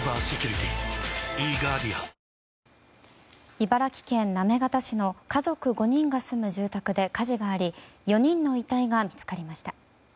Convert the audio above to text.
茨城県行方市の家族５人が住む住宅で火事があり４人の遺体が見つかりました。